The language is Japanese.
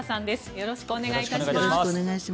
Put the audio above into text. よろしくお願いします。